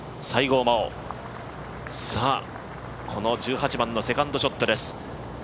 西郷真央、この１８番のセカンドショットです。